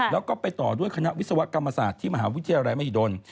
แล้วก็ไปต่อด้วยคณะวิศวกรรมศาสตร์ที่มหาวิทยาลัยมหิดล